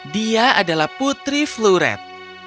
dia adalah putri floret